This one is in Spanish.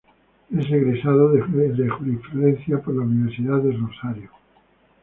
Es egresado de Jurisprudencia de la Universidad del Rosario.